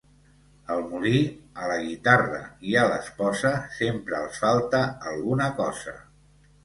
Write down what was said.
Al molí, a la guitarra i a l'esposa sempre els falta alguna cosa.